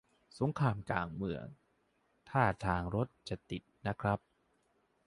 สงครามกลางเมือง ท่าทางรถจะติดนะครับ